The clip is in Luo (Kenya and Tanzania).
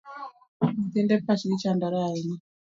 Nyithinde pachgi chandore ahinya